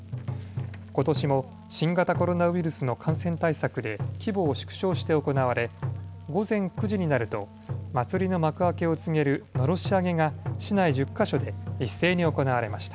ことしも新型コロナウイルスの感染対策で規模を縮小して行われ午前９時になると祭りの幕開けを告げる狼煙上げが市内１０か所で一斉に行われました。